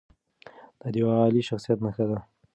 دا د یوه عالي شخصیت نښه ده.